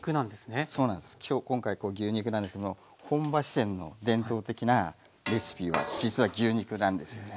今日今回牛肉なんですけども本場四川の伝統的なレシピは実は牛肉なんですよね。